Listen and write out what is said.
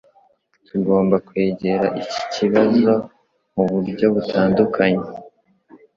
Tugomba kwegera iki kibazo muburyo butandukanye.